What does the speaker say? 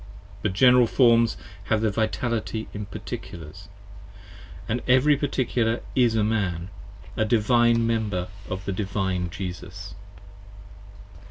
But General Forms have their vitality in Particulars: & every 30 Particular is a Man : a Divine Member of the Divine Jesus.